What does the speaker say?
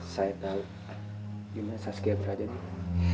saya tahu bagaimana saskia berada dit